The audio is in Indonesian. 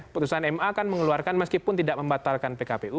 putusan ma kan mengeluarkan meskipun tidak membatalkan pkpu